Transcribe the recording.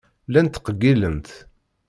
Llant ttqeyyilent.